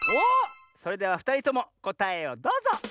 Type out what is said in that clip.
それではふたりともこたえをどうぞ！